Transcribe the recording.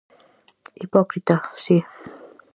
Hipócrita, si.